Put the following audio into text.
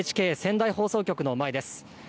ＮＨＫ仙台放送局の前です。